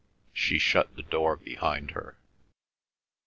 She shut the door behind her.